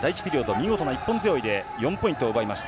見事な一本背負いで４ポイントを奪いました。